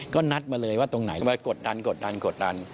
ก็นัดมาเลยว่าตรงไหนมากดดันกดดันกดดัน